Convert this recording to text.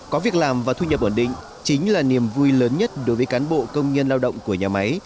có việc làm và thu nhập ổn định chính là niềm vui lớn nhất đối với cán bộ công nhân lao động của nhà máy